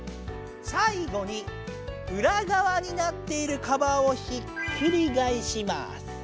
さい後に裏側になっているカバーをひっくり返します。